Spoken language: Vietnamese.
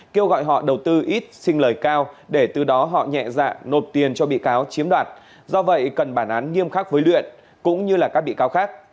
kêu gọi họ đầu tư ít xin lời cao để từ đó họ nhẹ dạ nộp tiền cho bị cáo chiếm đoạt do vậy cần bản án nghiêm khắc với luyện cũng như các bị cáo khác